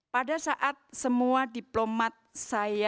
pada saat semua diplomat saya